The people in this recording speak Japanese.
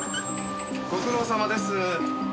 ご苦労さまです。